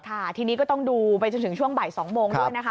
ทีนี้ก็ต้องดูไปจนถึงช่วงบ่าย๒โมงด้วยนะคะ